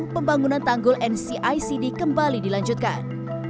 pembangunan tanggul ncicd kembali dilanjutkan